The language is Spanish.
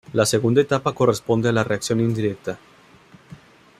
La segunda etapa corresponde a la reacción indirecta.